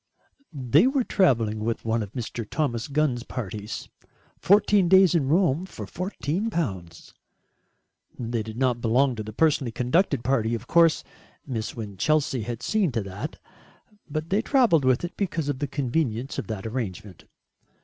They were travelling with one of Mr. Thomas Gunn's parties fourteen days in Rome for fourteen pounds. They did not belong to the personally conducted party of course Miss Winchelsea had seen to that but they travelled with it because of the convenience of that arrangement.